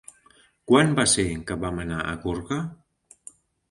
Quan va ser que vam anar a Gorga?